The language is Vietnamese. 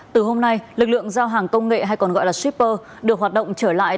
từ hôm nay lực lượng giao hàng công nghệ hay còn gọi là shipper được hoạt động trở lại